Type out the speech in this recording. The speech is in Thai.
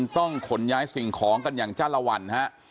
ต้องขนย้ายสิ่งของกันอย่างจ้าละวันฮะ